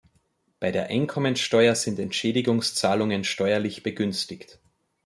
Bei der Einkommensteuer sind Entschädigungszahlungen steuerlich begünstigt.